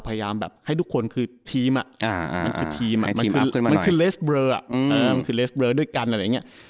พยายามให้ทุกคนคือทีมมันคือเลสเบอร์ด้วยกัน